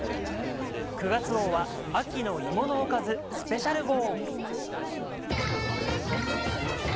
９月号は秋の芋のおかずスペシャル号。